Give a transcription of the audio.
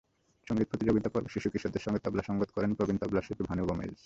সংগীত প্রতিযোগিতা পর্বে শিশু-কিশোরদের সঙ্গে তবলা সংগত করেন প্রবীণ তবলা শিল্পী ভানু গোমেজ।